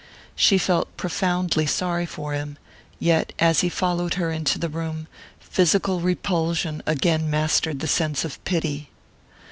She felt profoundly sorry for him; yet as he followed her into the room physical repulsion again mastered the sense of pity.